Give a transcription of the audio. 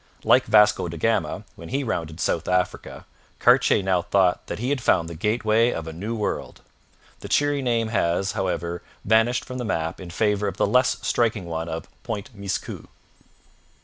Like Vasco da Gama, when he rounded South Africa, Cartier now thought that he had found the gateway of a new world. The cheery name has, however, vanished from the map in favour of the less striking one of Point Miscou.